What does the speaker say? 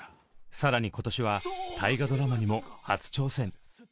更に今年は大河ドラマにも初挑戦。